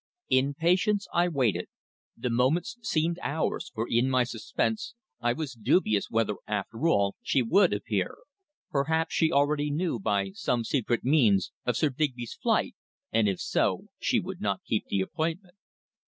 In patience I waited. The moments seemed hours, for in my suspense I was dubious whether, after all, she would appear. Perhaps she already knew, by some secret means, of Sir Digby's flight, and if so, she would not keep the appointment.